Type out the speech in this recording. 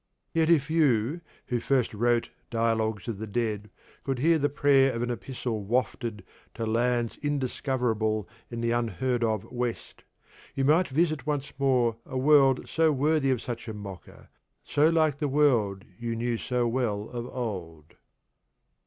Yet, if you, who first wrote Dialogues of the Dead, could hear the prayer of an epistle wafted to 'lands indiscoverable in the unheard of West,' you might visit once more a world so worthy of such a mocker, so like the world you knew so well of old.